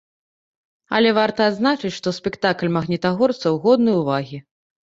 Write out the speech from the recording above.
Але варта адзначыць, што спектакль магнітагорцаў годны ўвагі.